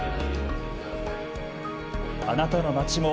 あなたの町も。